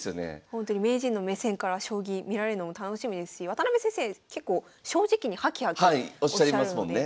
ほんとに名人の目線から将棋見られるのも楽しみですし渡辺先生結構正直にハキハキおっしゃるのでおっしゃりますもんね。